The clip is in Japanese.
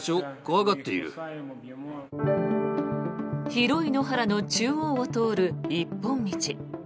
広い野原の中央を通る一本道。